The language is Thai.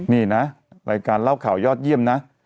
นี่นะรายการเล่าข่าวยอดเยี่ยมนะ